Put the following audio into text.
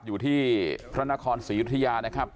อยู่ที่พระนครศรียุธยานะครับ